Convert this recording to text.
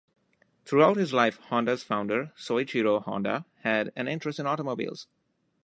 Throughout his life, Honda's founder, Soichiro Honda, had an interest in automobiles.